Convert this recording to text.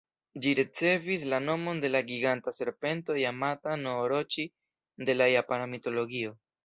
Ĝi ricevis la nomon de la giganta serpento Jamata-no-Oroĉi de la japana mitologio.